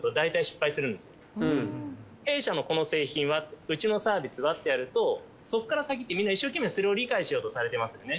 弊社のこの製品はうちのサービスはってやるとそこから先ってみんな一生懸命それを理解しようとされてますよね。